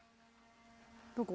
どこ？